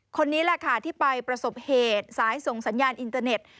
คนนี้แหละค่ะที่ไปประสบเหตุสายส่งสัญญาณอินเตอร์เน็ต